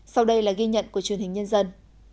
sau đây là ghi nhận của truyền hình nhân dân